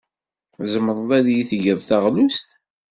Tzemreḍ ad iyi-d-tgeḍ taɣlust?